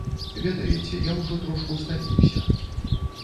Ведаеце, я ўжо трошку стаміўся.